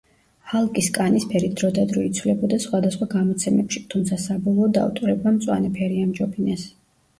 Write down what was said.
ჰალკის კანის ფერი დროდადრო იცვლებოდა სხვადასხვა გამოცემებში, თუმცა საბოლოოდ ავტორებმა მწვანე ფერი ამჯობინეს.